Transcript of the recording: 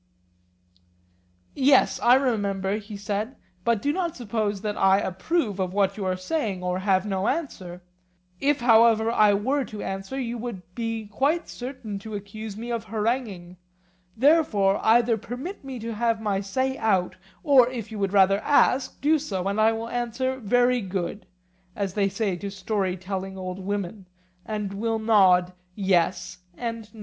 Yes, I remember, he said, but do not suppose that I approve of what you are saying or have no answer; if however I were to answer, you would be quite certain to accuse me of haranguing; therefore either permit me to have my say out, or if you would rather ask, do so, and I will answer 'Very good,' as they say to story telling old women, and will nod 'Yes' and 'No.